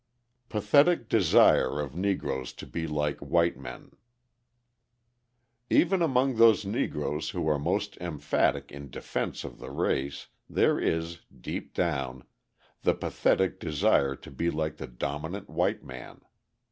Pathetic Desire of Negroes to Be Like White Men Even among those Negroes who are most emphatic in defence of the race there is, deep down, the pathetic desire to be like the dominant white man.